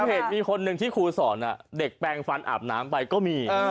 เหตุมีคนหนึ่งที่ครูสอนเด็กแปลงฟันอาบน้ำไปก็มี